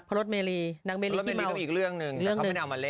พรรดเมลีนางเมลีขี้เมาพรรดเมลีก็มีอีกเรื่องหนึ่งแต่เขาไม่เอามาเล่น